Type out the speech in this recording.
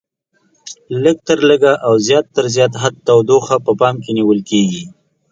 لږ تر لږه او زیات تر زیات حد تودوخه په پام کې نیول کېږي.